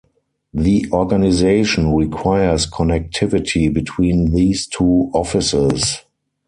The organisation requires connectivity between these two offices.